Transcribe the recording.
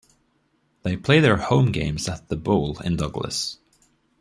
They play their home games at The Bowl in Douglas.